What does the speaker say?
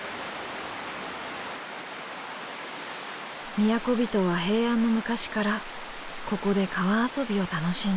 都人は平安の昔からここで川遊びを楽しんだ。